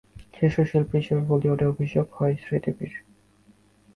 শিশুশিল্পী হিসেবে বলিউডে অভিষেক হয় শ্রীদেবীর।